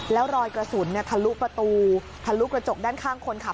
แล้วรอยกระสุนทะลุประตูทะลุกระจกด้านข้างคนขับ